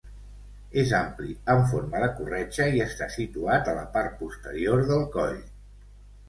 És ampli, en forma de corretja i està situat a la part posterior del coll.